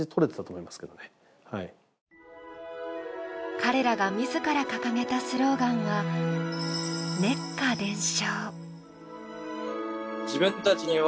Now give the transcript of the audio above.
彼らが自ら掲げたスローガンは「熱夏伝承」。